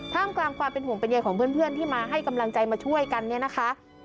กลางความเป็นห่วงเป็นใยของเพื่อนที่มาให้กำลังใจมาช่วยกันเนี่ยนะคะ